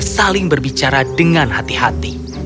saling berbicara dengan hati hati